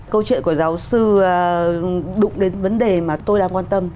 câu chuyện của giáo sư đụng đến vấn đề mà tôi đang quan tâm